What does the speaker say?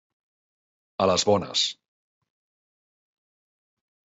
A les bones.